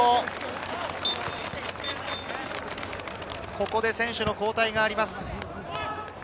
ここで選手交代があります。